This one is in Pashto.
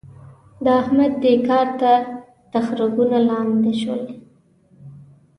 د احمد؛ دې کار ته تخرګونه لانده شول.